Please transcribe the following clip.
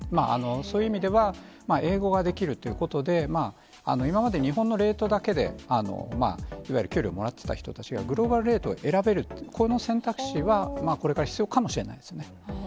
そういう意味では、英語ができるっていうことで、今まで日本のレートだけでいわゆる給料もらってた人たちが、グローバルレートを選べると、この選択肢はこれから必要かもしれないですね。